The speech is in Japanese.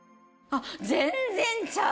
全然ちゃう？